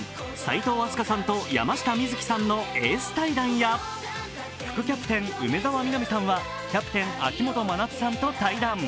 齋藤飛鳥さんと山下美月さんのエース対談や副キャプテン、梅澤美波さんはキャプテン・秋元真夏さんと対談。